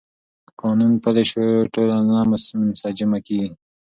که قانون پلی شي، ټولنه منسجمه کېږي.